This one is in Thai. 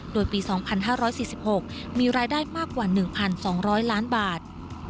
โดยปี๒๕๔๖มีรายได้มากกว่า๑๒๐๐ล้านบาท